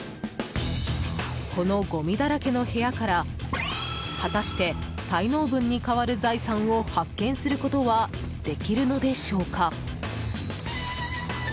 このごみだらけの部屋から果たして滞納分に代わる財産を発見することはできるのでしょうか。